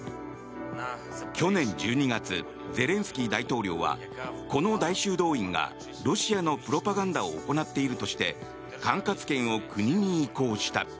去年１２月ゼレンスキー大統領はこの大修道院がロシアのプロパガンダを行っているとして管轄権を国に移行した。